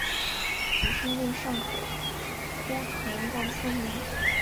李晟令尚可孤屯望仙门。